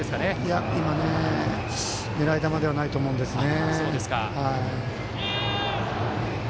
いや、今のは狙い球ではないと思うんですね。